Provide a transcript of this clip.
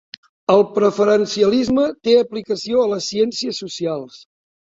El preferencialisme té aplicació a les ciències socials.